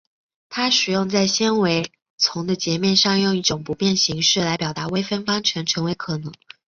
它使得在纤维丛的截面上用一种不变形式来表达微分方程成为可能。